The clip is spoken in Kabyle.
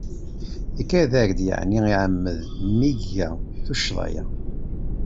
Ikad-ak-d yeεni iεemmed mi iga tuccḍa-ya?